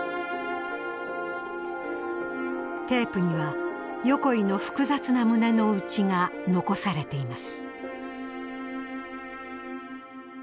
テープには横井の複雑な胸の内が遺されています。